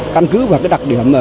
căn cứ và đặc điểm